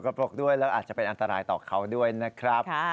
ปรกด้วยแล้วอาจจะเป็นอันตรายต่อเขาด้วยนะครับ